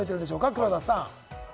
黒田さん。